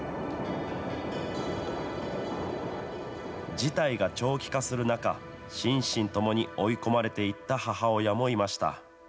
事態が長期化する中、心身ともに追い込まれていった母親もいました。